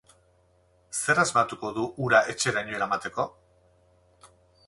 Zer asmatuko du ura etxeraino eramateko?